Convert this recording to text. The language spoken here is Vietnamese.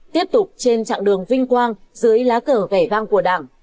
tiếp tục trên chặng đường vinh quang dưới lá cờ vẻ vang của đảng